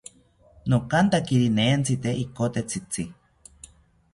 Nokantakiri nentzite ikote tzitzi